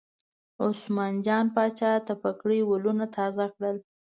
عثمان جان پاچا د پګړۍ ولونه تازه کړل.